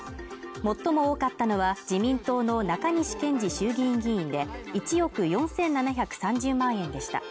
最も多かったのは、自民党の中西健治衆議院議員で１億４７３０万円でした。